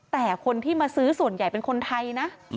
แต่คนที่มาซื้อส่วนใหญ่เป็นคนไทยนะ